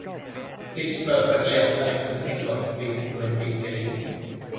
It’s perfectly appalling to think of being twenty, Kelly.